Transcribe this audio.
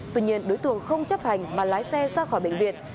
tuy nhiên đối tượng không chấp hành mà lái xe ra khỏi bệnh viện